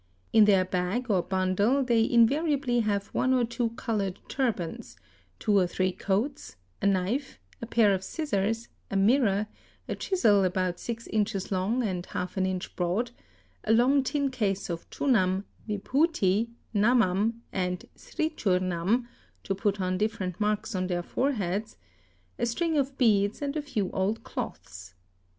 In their bag or bundle they invariably have one or two coloured turbans, two or three coats, a knife, a pair of scissors, a mirror, a chisel about six ©| inches long and half an inch broad, a long tin case of chunam, '' Vib hoothi," ""Namam* and " Sreechwrnam," to put on different marks on their foreheads, a string of beads and a few old cloths.